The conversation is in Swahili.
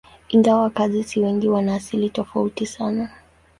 Ingawa wakazi si wengi, wana asili tofauti sana.